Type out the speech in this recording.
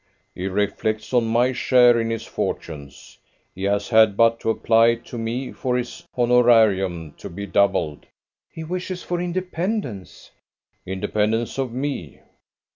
"He reflects on my share in his fortunes. He has had but to apply to me for his honorarium to be doubled." "He wishes for independence." "Independence of me!"